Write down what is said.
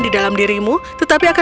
kau bisa menjaga ibu peri dengan keamanan